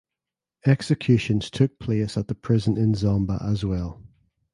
Executions took place at the prison in Zomba as well.